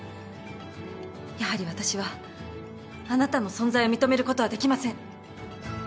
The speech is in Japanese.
やはり私はあなたの存在を認めることはできません。